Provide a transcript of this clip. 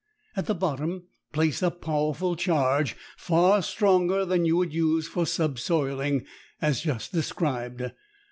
At the bottom place a powerful charge, far stronger than you would use for "subsoiling," as just described.